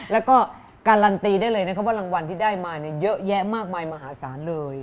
แล้วก็การันตีได้เลยนะครับว่ารางวัลที่ได้มาเยอะแยะมากมายมหาศาลเลย